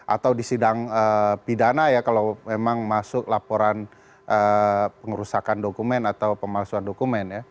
atau di sidang pidana ya kalau memang masuk laporan pengerusakan dokumen atau pemalsuan dokumen